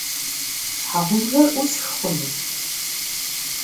Щхьэгъубжэр ӏусх хъуну?